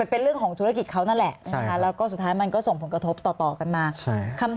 เป็นเรื่องของธุรกิจเขานั่นแหละแล้วก็สุดท้ายมันก็ส่งผลกระทบต่อกันมา